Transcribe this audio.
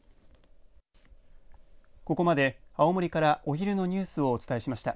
ここまで青森から、お昼のニュースをお伝えしました。